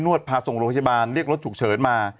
นวดพาทสมโรศัยบาลเรียกรถถูกเฉินมา